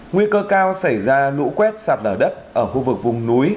nguy cơ cao xảy ra lũ quét sạt lở đất ở khu vực vùng núi